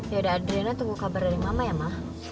yaudah adriana tunggu kabar dari mama ya ma